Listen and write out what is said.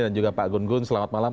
dan juga pak gun gun selamat malam